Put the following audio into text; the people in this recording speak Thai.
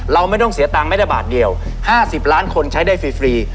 เราไม่ต้องเสียตังค์ไม่ได้บาทเดียว๕๐ล้านคนใช้ได้ฟรี